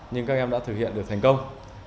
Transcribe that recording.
nhưng các em đã thực hiện được thành công